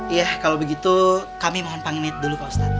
iya kalau begitu kami mohon pamit dulu pak ustadz